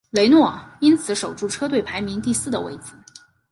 雷诺因此守住车队排名第四的位子。